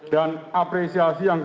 dan apresiasi yang